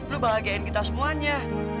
lu bahagiain kita semuanya